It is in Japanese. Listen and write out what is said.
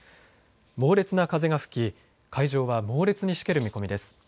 猛烈な風が吹き海上は猛烈にしける見込みです。